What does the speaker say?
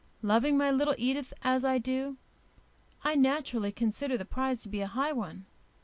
Loving my little Edith as I do, I naturally consider the prize to be a high one.